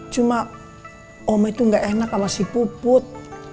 cuma oma itu gak enak sama si puput